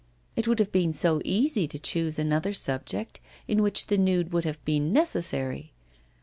It would have been so easy to choose another subject, in which the nude would have been necessary.